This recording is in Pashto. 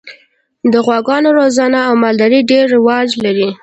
د غواګانو روزنه او مالداري ډېر رواج لري.